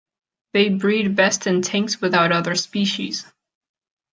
They breed best in tanks without other species.